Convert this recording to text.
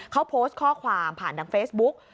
เขาโพสต์ข้อความผ่านทางเฟซบุ๊ก